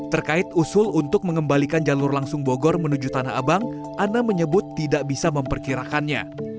terkait usul untuk mengembalikan jalur langsung bogor menuju tanah abang ana menyebut tidak bisa memperkirakannya